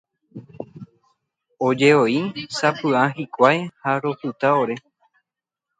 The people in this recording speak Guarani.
Oje'ói sapy'a hikuái ha ropyta ore.